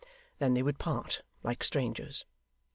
Then they would part, like strangers.